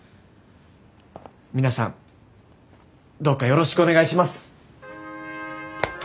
皆さんどうかよろしくお願いします。